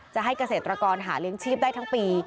จะให้เกษตรกรหาเลี้ยงชีพได้ทั้งปี